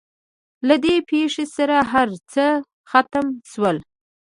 له دې پېښې سره هر څه ختم شول.